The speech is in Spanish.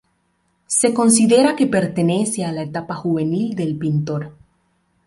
Se considera que pertenece a la etapa juvenil del pintor.